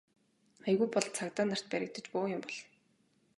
Аягүй бол цагдаа нарт баригдаж бөөн юм болно.